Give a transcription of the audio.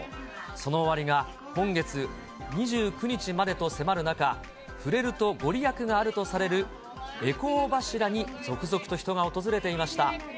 その終わりが今月２９日までと迫る中、触れると御利益があるとされる回向柱に、続々と人が訪れていました。